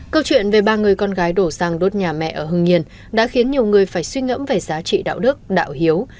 câu chuyện về ba người con gái đổ xăng đốt nhà mẹ ở hưng yên đã khiến nhiều người phải suy ngẫm về giá trị đạo đức đạo hiếu